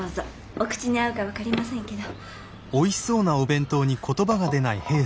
お口に合うか分かりませんけど。